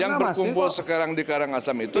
yang berkumpul sekarang di karangasem itu